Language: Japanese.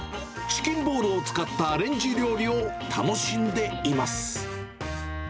チキンボールを使ったアレンジ料理を楽しんでいます。